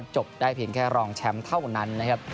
จบได้เพียงแค่ลองแชมป์นั้น